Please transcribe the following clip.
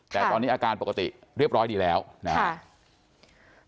แต่ตอนนี้อาการปกติเรียบร้อยดีแล้วนะครับ